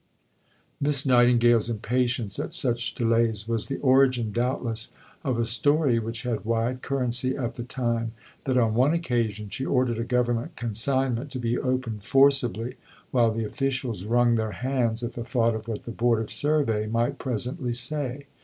Miss Nightingale's impatience at such delays was the origin, doubtless, of a story which had wide currency at the time that on one occasion she ordered a Government consignment to be opened forcibly, while the officials wrung their hands at the thought of what the Board of Survey might presently say.